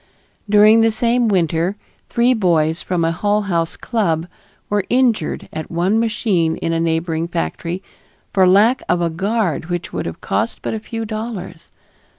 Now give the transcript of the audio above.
During the same winter three boys from a Hull House club were injured at one machine in a neighboring factory for lack of a guard which would have cost but a few dollars.